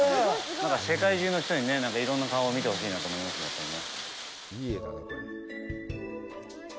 なんか、世界中の人にいろんな顔を見てほしいなと思いますね。